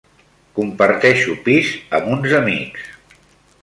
Comparteixo pis amb uns amics.